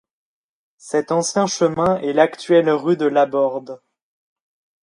Cet ancien chemin est l'actuelle rue de Laborde.